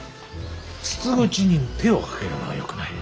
筒口に手をかけるのはよくない。